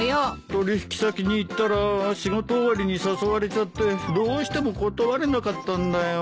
取引先に行ったら仕事終わりに誘われちゃってどうしても断れなかったんだよ。